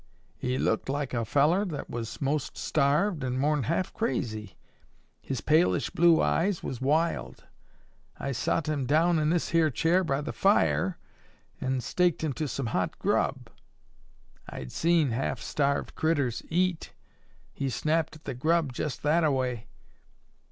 He looked like a fellar that was most starved an' more'n half crazy. His palish blue eyes was wild. I sot him down in this here chair by the fire an' staked him to some hot grub. I'd seen half starved critters eat. He snapped at the grub jest that a way.